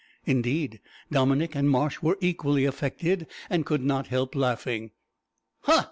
Indeed, Dominick and Marsh were equally affected, and could not help laughing. "Ha!